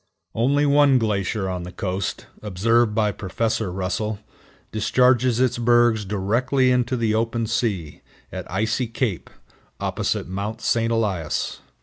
Only one glacier on the coast, observed by Prof. Russell, discharges its bergs directly into the open sea, at Icy Cape, opposite Mount St. Elias.